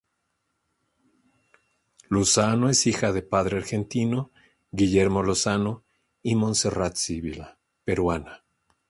Lozano es hija de padre argentino Guillermo Lozano y Monserrat Sibila, peruana.